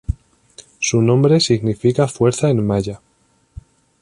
Su nombre significa fuerza en Maya.